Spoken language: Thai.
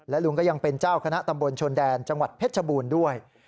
ลุงก็ยังเป็นเจ้าคณะตำบลชนแดนจังหวัดเพชรชบูรณ์ด้วย